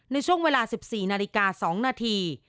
ในช่วงเวลา๑๔นาฬิกา๒นาที